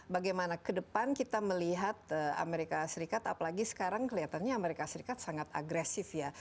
bagaimana ke depan kita melihat amerika serikat apalagi sekarang kelihatannya amerika serikat sangat agresif ya